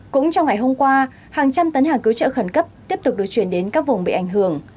cũng trong ngày hôm qua hàng trăm tấn hàng cứu trợ khẩn cấp tiếp tục được chuyển đến các vùng bị ảnh hưởng